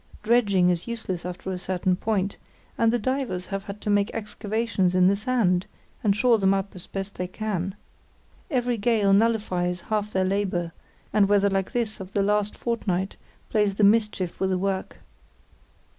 Dredging is useless after a certain point; and the divers have to make excavations in the sand, and shore them up as best they can. Every gale nullifies half their labour, and weather like this of the last fortnight plays the mischief with the work.